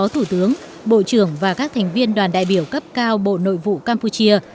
thủ tướng bộ trưởng và các thành viên đoàn đại biểu cấp cao bộ nội vụ campuchia